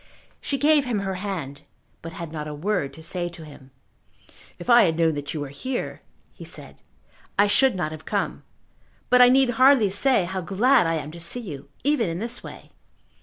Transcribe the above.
She gave him her hand, but had not a word to say to him. "If I had known that you were here," he said, "I should not have come; but I need hardly say how glad I am to see you, even in this way."